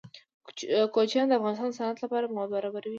کوچیان د افغانستان د صنعت لپاره مواد برابروي.